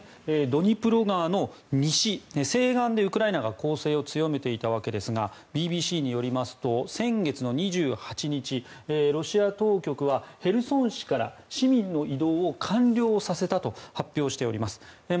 ドニプロ川の西岸でウクライナが攻勢を強めていたわけですがＢＢＣによりますと先月の２８日ロシア当局はヘルソン市から市民の移動を完了させたと発表しております。